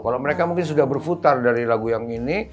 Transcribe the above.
kalau mereka mungkin sudah berputar dari lagu yang ini